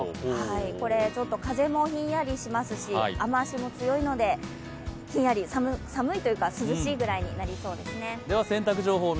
これ、ちょっと風もひんやりしますし、雨足も強いので、ひんやり寒いというか、涼しいぐらいになりそうですね。